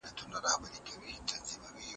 په لاس د شرمښانو